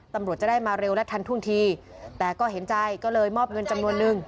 ตำรวจจะได้มาเร็วและทันท่วงทีแต่ก็เห็นใจก็เลยมอบเงินจำนวนนึง